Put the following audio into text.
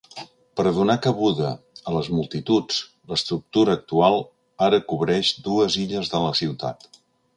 Per a donar cabuda a les multituds, l'estructura actual ara cobreix dues illes de la ciutat.